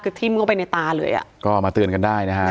คือทิ้มเข้าไปในตาเลยอ่ะก็มาเตือนกันได้นะฮะ